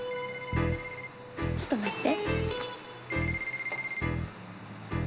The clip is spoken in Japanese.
ちょっと待って。